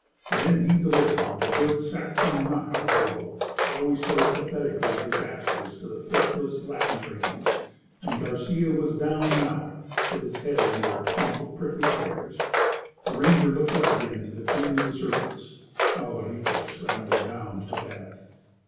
Then he delivered the good Saxon knock out blow—always so pathetically disastrous to the fistless Latin races—and Garcia was down and out, with his head under a clump of prickly pears. The ranger looked up again to the Queen of the Serpents. Alvarita scrambled down to the path.